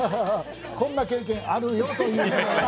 こんな経験あるよという。